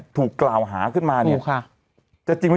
ถูกกล่าวหาขึ้นมาเนี่ย